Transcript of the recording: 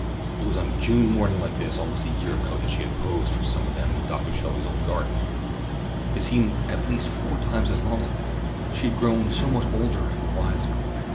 It was on a June morning like this almost a year ago that she had posed for some of them in Doctor Shelby's old garden. It seemed at least four times as long as that. She had grown so much older and wiser.